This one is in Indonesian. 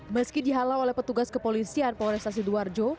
meski dihalau oleh petugas kepolisian polresa sidoarjo